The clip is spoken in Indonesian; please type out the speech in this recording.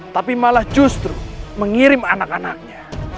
tapi malah justru mengirim anak anaknya